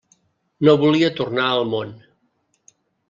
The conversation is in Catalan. No volia tornar al món.